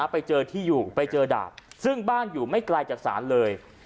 ไปเจอที่อยู่ไปเจอดาบซึ่งบ้านอยู่ไม่ไกลจากศาลเลย